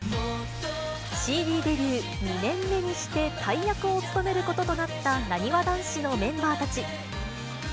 ＣＤデビュー２年目にして大役を務めることとなったなにわ男子のメンバーたち。